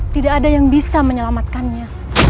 tidak ada yang bisa menyelamatkannya